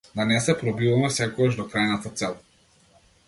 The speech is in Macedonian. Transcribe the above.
Да не се пробиваме секогаш до крајната цел.